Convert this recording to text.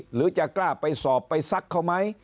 หรือจะกล้าไปสอบไปซักเขาไหม